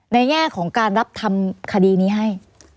แง่ของการรับทำคดีนี้ให้